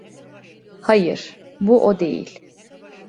Hayır, bu o değil.